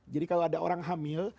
jadi kalau ada orang hamil